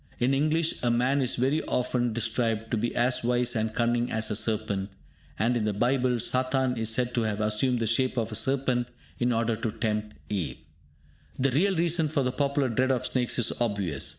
In English a man is very often described to be as wise and cunning as a serpent. And in the Bible, Satan is said to have assumed the shape of a serpent in order to tempt Eve. The real reason for the popular dread of snakes is obvious.